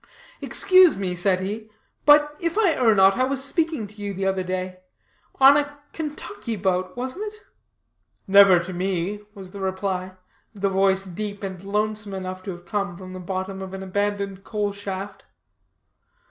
"Excuse me," said he, "but, if I err not, I was speaking to you the other day; on a Kentucky boat, wasn't it?" "Never to me," was the reply; the voice deep and lonesome enough to have come from the bottom of an abandoned coal shaft.